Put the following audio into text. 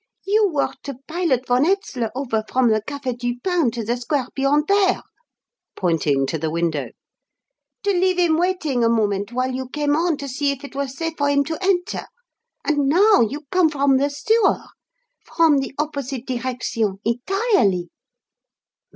You were to pilot von Hetzler over from the Café Dupin to the square beyond there" pointing to the window "to leave him waiting a moment while you came on to see if it were safe for him to enter; and now you come from the sewer from the opposite direction entirely!"